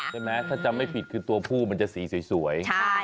ใช่ไหมถ้าจำไม่ผิดคือตัวผู้มันจะสีสวย